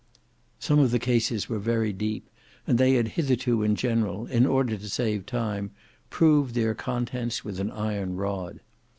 Some of the cases were very deep, and they had hitherto in general, in order to save time, proved their contents with an iron rod.